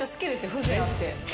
風情あって。